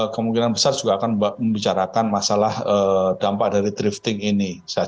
kemungkinan besar juga akan membicarakan masalah dampak dari drifting ini